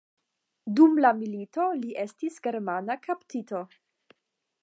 Dum la milito li estis germana kaptito.